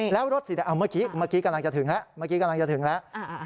แล้วรถสีแดงเมื่อกี้กำลังจะถึงแล้ว